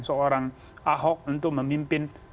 seorang ahok untuk memimpin